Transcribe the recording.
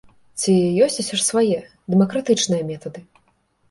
Ці ёсць усё ж свае дэмакратычныя метады?